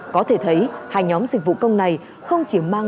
có thể thấy hai nhóm dịch vụ công này không chỉ mang lại lợi ích